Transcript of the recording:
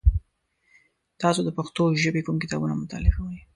تاسو د پښتو ژبې کوم کتابونه مطالعه کوی؟